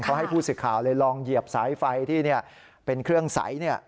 เขาให้ผู้สื่อข่าวเลยลองเหยียบสายไฟที่เป็นเครื่องใส